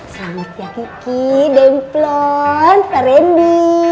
selamat ya kiki dempon pak randy